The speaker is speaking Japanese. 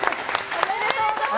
おめでとうございます。